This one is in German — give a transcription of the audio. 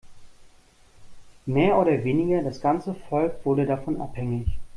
Mehr oder weniger das ganze Volk wurde davon abhängig.